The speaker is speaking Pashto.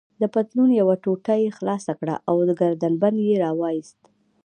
د پتلون یوه غوټه يې خلاصه کړه او ګردن بند يې راوایست.